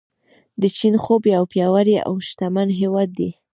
د چین خوب یو پیاوړی او شتمن هیواد دی.